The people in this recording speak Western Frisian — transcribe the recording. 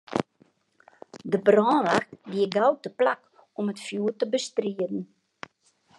De brânwacht wie gau teplak om it fjoer te bestriden.